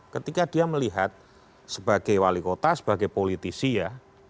ketika dia melihat sebagai wali kota sebagai politisi ya